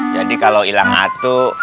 jadi kalau ilang atuk